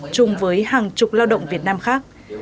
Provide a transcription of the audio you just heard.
chung với hàng chục lao động việt nam khác